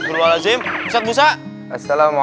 assalamualaikum warahmatullah wabarakatuh